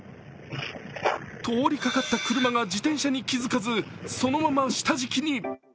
通りかかった車が自転車に気づかず、そのまま下敷きに。